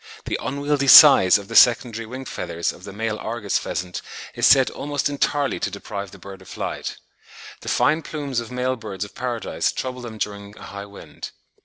The "unwieldy size" of the secondary wing feathers of the male Argus pheasant is said "almost entirely to deprive the bird of flight." The fine plumes of male birds of paradise trouble them during a high wind.